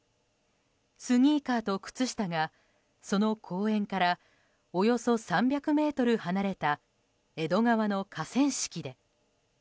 スニーカーと靴下がその公園からおよそ３００ｍ離れた江戸川の河川敷で。